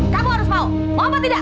kamu harus mau apa tidak